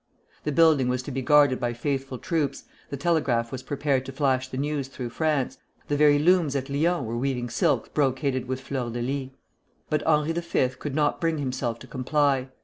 The building was to be guarded by faithful troops, the telegraph was prepared to flash the news through France, the very looms at Lyons were weaving silks brocaded with fleurs de lys. But Henri V. could not bring himself to comply.